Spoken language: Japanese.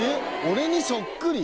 俺にそっくり？